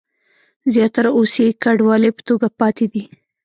زیاتره اوس یې کنډوالې په توګه پاتې دي.